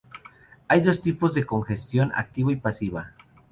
Hay dos tipos de congestión: activa y pasiva.